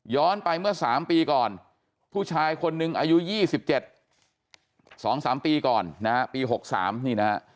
ย้อนไปเมื่อ๓ปีก่อนผู้ชายคนนึงอายุ๒๗๒๓ปีก่อนนะครับปี๖๓นี่นะ